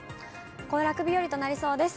行楽日和となりそうです。